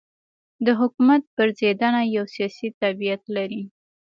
د حکومت پرځېدنه یو سیاسي طبیعت دی.